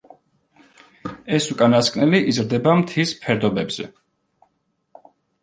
ეს უკანასკნელი იზრდება მთის ფერდობებზე.